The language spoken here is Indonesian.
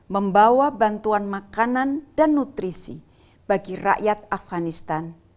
membawa bantuan makanan dan nutrisi bagi rakyat afganistan